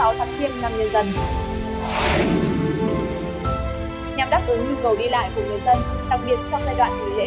đặc biệt trong giai đoạn nghỉ lễ đặc biệt trong giai đoạn nghỉ lễ đặc biệt trong giai đoạn nghỉ lễ